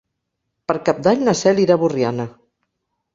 Per Cap d'Any na Cel irà a Borriana.